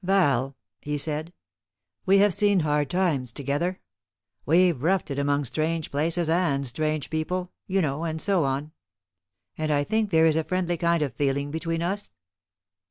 "Val," he said, "we have seen hard times together; we've roughed it among strange places and strange people, you know and so on; and I think there is a friendly kind of feeling between us?"